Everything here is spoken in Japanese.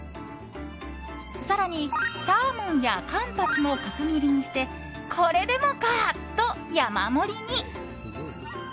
更に、サーモンやカンパチも角切りにしてこれでもかと山盛りに！